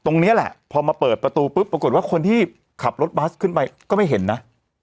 ตรงนี้แหละพอมาเปิดประตูปุ๊บปรากฏว่าคนที่ขับรถบัสขึ้นไปก็ไม่เห็นนะ